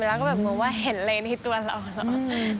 เมล่าก็แบบว่าเห็นเลนี่ตัวเรา